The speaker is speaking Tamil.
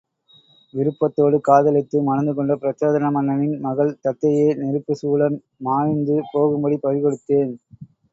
விருப்பத்தோடு காதலித்து மணந்துகொண்ட பிரச்சோதன மன்னனின் மகள் தத்தையை நெருப்புசூழ மாய்ந்து போகும்படி பறிகொடுத்தேன்!